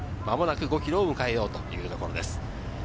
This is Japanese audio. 間もなく５ｋｍを迎えようというところです。